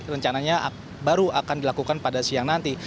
rencananya baru akan dilakukan pada siang nanti